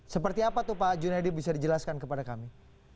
seperti apa tuh pak junaidi bisa dijelaskan kepada kami